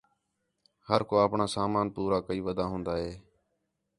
ہر کُو آپݨاں سامان پورا کَئی وَدا ہون٘دا ہِے